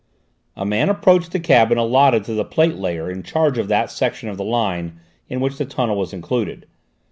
A man approached the cabin allotted to the plate layer in charge of that section of the line in which the tunnel was included.